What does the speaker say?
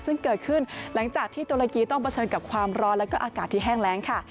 ซึ่งเกิดขึ้นหลังจากที่ตุรกีต้องเผชิญกับความร้อนแล้วก็อากาศที่แห้งแรงค่ะ